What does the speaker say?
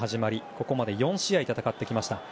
ここまで４試合戦ってきました。